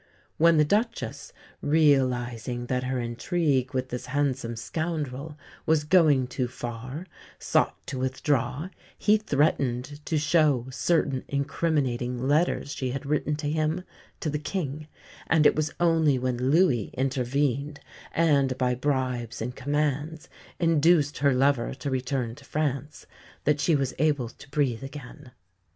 When the Duchess, realising that her intrigue with this handsome scoundrel was going too far, sought to withdraw, he threatened to show certain incriminating letters she had written to him, to the King; and it was only when Louis intervened and, by bribes and commands, induced her lover to return to France, that she was able to breathe again.